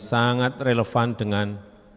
sangat relevan dengan